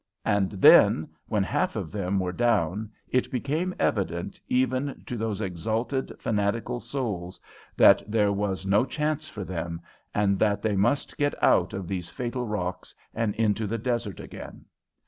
And then when half of them were down it became evident, even to those exalted fanatical souls, that there was no chance for them, and that they must get out of these fatal rocks and into the desert again.